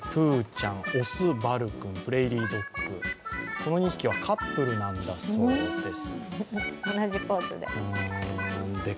この２匹はカップルなんだそうです。